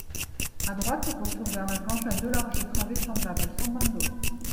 À droite, retour vers la grange à deux larges travées semblables, sans bandeau.